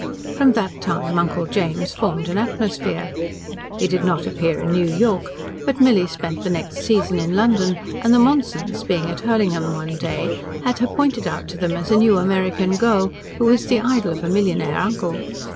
From that time Uncle James formed an atmosphere. He did not appear in New York, but Milly spent the next season in London, and the Monsons, being at Hurlingham one day, had her pointed out to them as a new American girl, who was the idol of a millionaire uncle.